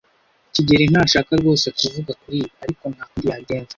kigeli ntashaka rwose kuvuga kuri ibi, ariko nta kundi yabigenza.